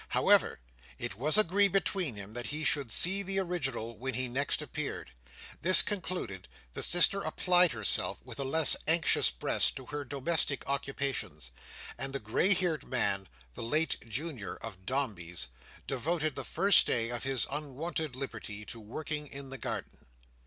However, it was agreed between them that he should see the original when he next appeared. This concluded, the sister applied herself, with a less anxious breast, to her domestic occupations; and the grey haired man, late Junior of Dombey's, devoted the first day of his unwonted liberty to working in the garden.